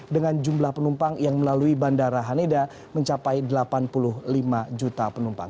dengan jumlah penumpang yang melalui bandara haneda mencapai delapan puluh lima juta penumpang